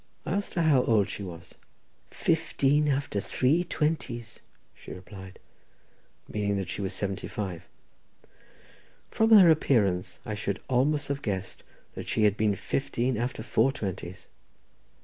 I asked her how old she was. "Fifteen after three twenties," she replied; meaning that she was seventy five. From her appearance, I should almost have guessed that she had been fifteen after four twenties.